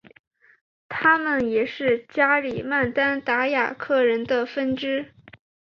他们也是加里曼丹达雅克人的分支。